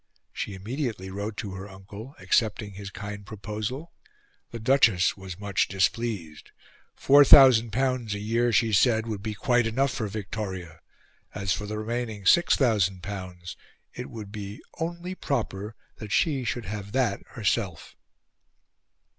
She immediately wrote to her uncle, accepting his kind proposal. The Duchess was much displeased; L4000 a year, she said, would be quite enough for Victoria; as for the remaining L6000, it would be only proper that she should have that herself.